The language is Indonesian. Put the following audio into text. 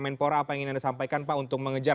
menpora apa yang ingin anda sampaikan pak untuk mengejar